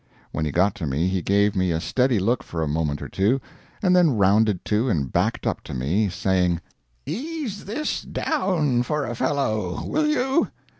When he got to me he gave me a steady look for a moment or two, and then rounded to and backed up to me, saying: "Ease this down for a fellow, will you?"